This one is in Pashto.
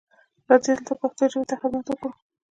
راځئ دلته پښتو ژبې ته خدمت وکړو.